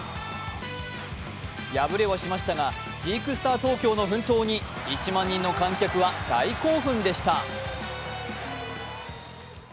敗れはしましたがジークスター東京の奮闘に１万人の観客は大興奮でした。